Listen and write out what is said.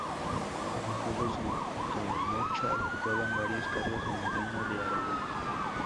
Afincados en Calamocha, ocupaban varios cargos en el Reino de Aragón.